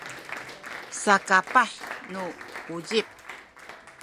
saka kapah nu uzip